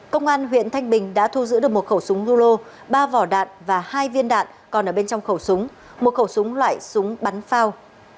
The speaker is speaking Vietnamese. công an huyện thanh bình đã thu giữ được một khẩu súng rulo ba vỏ đạn và hai viên đạn còn ở bên trong khẩu súng một khẩu súng loại súng bắn phao